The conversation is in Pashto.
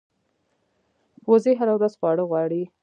وزې هره ورځ خواړه غواړي